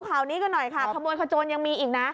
ข่าวนี้กันหน่อยค่ะขโมยขโจนยังมีอีกนะ